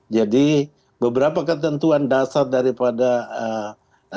jadi beberapa ketentuan dasar daripada data